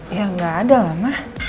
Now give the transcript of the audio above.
ya nggak ada lah mah